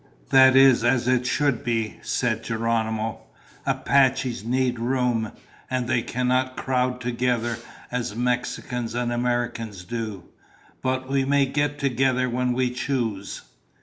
"That is as it should be," said Geronimo. "Apaches need room, and they cannot crowd together as Mexicans and Americans do. But we may get together when we choose."